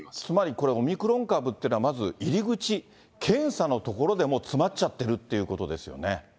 つまりこれ、オミクロン株っていうのは、まず、入り口、検査のところでもう詰まっちゃってるということですよね。